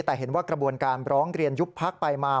แต่เห็นว่ากระบวนการร้องเรียนยุบพักไปมา